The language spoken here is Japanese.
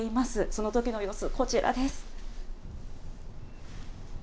そのときの様子、こちらです。